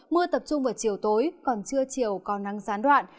mưa tập trung vào chiều tối còn trưa chiều có nắng gián đoạn